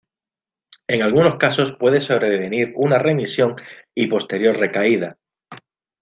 En algunos casos, puede sobrevenir una remisión y posterior recaída.